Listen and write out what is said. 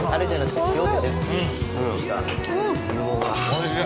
おいしい。